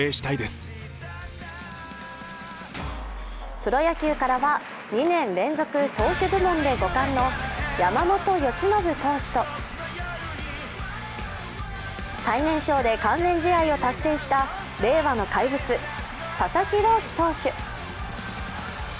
プロ野球からは、２年連続、投手部門で４冠の山本由伸投手と最年少で完全試合を達成した令和の怪物・佐々木朗希投手。